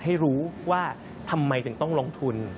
ให้รู้ว่าทำไมถึงต้องลงทุน